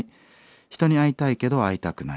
人に会いたいけど会いたくない。